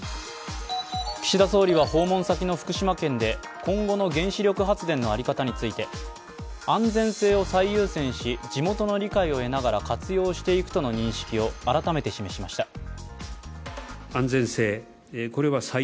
岸田総理は訪問先の福島県で今後の原子力発電の在り方について安全性を最優先し、地元の理解を得ながら活用していくとの認識を改めて示しました。